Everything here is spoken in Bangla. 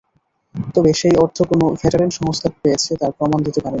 তবে সেই অর্থ কোন ভেটারেন সংস্থা পেয়েছে, তার প্রমাণ দিতে পারেননি।